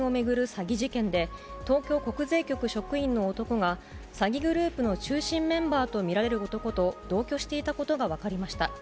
詐欺事件で、東京国税局職員の男が、詐欺グループの中心メンバーと見られる男と同居していたことが分かりました。